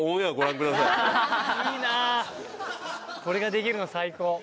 これができるの最高。